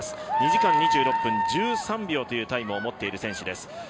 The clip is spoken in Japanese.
２時間２６分１３秒というタイムを持っている選手です。